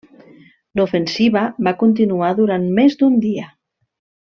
L'ofensiva va continuar durant més d'un dia.